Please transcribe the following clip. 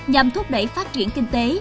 nhằm thúc đẩy phát triển kinh tế